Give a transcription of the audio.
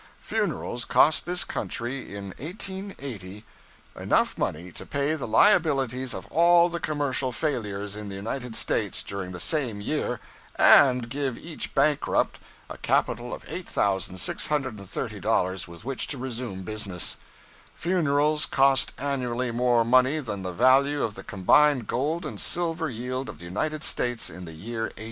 Funerals cost this country in 1880 enough money to pay the liabilities of all the commercial failures in the United States during the same year, and give each bankrupt a capital of $8,630 with which to resume business. Funerals cost annually more money than the value of the combined gold and silver yield of the United States in the year 1880!